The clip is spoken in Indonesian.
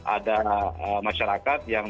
ada masyarakat yang